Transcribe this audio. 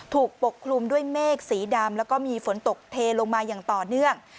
ปกคลุมด้วยเมฆสีดำแล้วก็มีฝนตกเทลงมาอย่างต่อเนื่อง